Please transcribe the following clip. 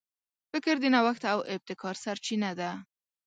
فکر د نوښت او ابتکار سرچینه ده.